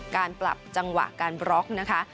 การปรับจังหวะการบล็อกนะคะ